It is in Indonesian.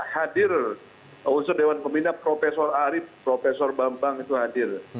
hadir unsur dewan peminat profesor arief profesor bambang itu hadir